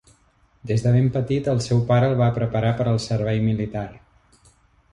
Des de ben petit el seu pare el va preparar per al servei militar.